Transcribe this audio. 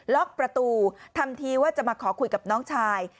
ล็อกประตูทำทีว่าจะมาขอคุยกับน้องชาย